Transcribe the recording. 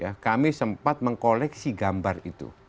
ya kami sempat mengkoleksi gambar itu